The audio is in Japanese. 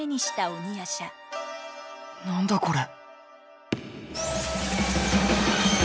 「何だこれ」。